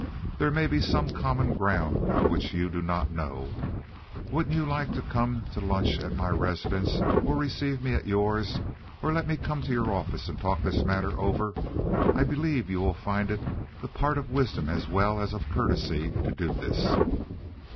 "There may be some common ground of which you do not know. Wouldn't you like to come to lunch at my residence or receive me at yours? Or let me come to your office and talk this matter over. I believe you will find it the part of wisdom as well as of courtesy to do this."